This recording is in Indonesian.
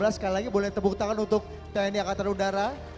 sekali lagi boleh tepuk tangan untuk tni angkatan udara